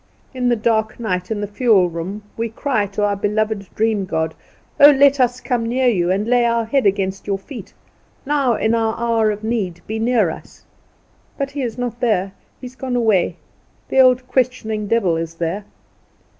In the dark night in the fuel room we cry to our Beautiful dream god: "Oh, let us come near you, and lay our head against your feet. Now in our hour of need be near us." But He is not there; He is gone away. The old questioning devil is there.